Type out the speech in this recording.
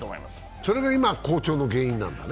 それが今、好調の原因なんだね？